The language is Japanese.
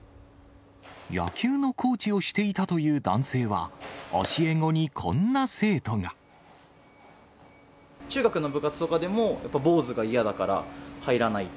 野球のコーチをしていたとい中学の部活とかでも、やっぱ坊主が嫌だから入らない。